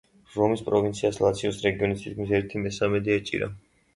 რომის პროვინციას ლაციოს რეგიონის თითქმის ერთი მესამედი ეჭირა.